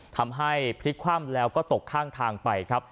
ทำให้พลิกคว่ำแล้วก็ตกข้างทางไปครับ